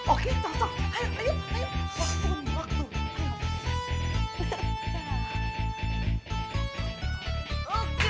oke panggil anak lancar